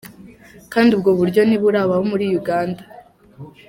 Kandi ubwo buryo ntiburabaho muri Uganda.